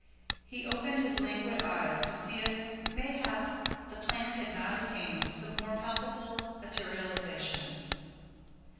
He opened his languid eyes, to see if, mayhap, the plant had not attained some more palpable materialization.